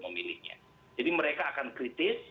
memilihnya jadi mereka akan kritis